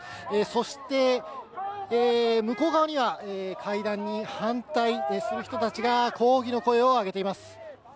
そして向こう側には会談に反対する人たちが抗議の声を上げています。